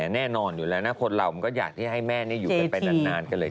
แน่นอนอยู่แล้วนะคนเราก็อยากให้แม่นี้อยู่ไปนานกันเลย